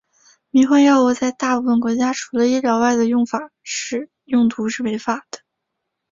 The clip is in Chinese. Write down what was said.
迷幻药物在大部分国家除了医疗外的用途是违法的。